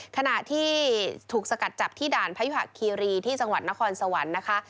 ขณะที่ถูกสกัดจับที่ด่านพยุหะคีรีที่จังหวัดนครสวรรค์นะคะ